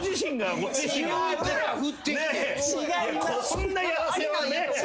こんなやらせはね。